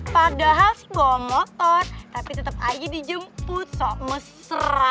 padahal sih bawa motor tapi tetap aja dijemput sok mesra